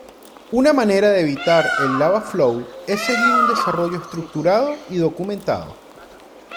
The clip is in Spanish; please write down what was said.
Una manera de evitar el lava Flow es seguir un desarrollo estructurado y documentado.